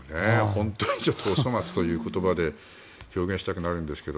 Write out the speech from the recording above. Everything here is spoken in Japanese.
本当にお粗末という言葉で表現したくなるんですが。